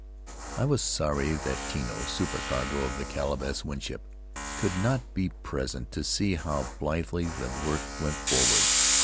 I was sorry that Tino, supercargo of the Caleb S. Winship, could not be present to see how blithely the work went forward.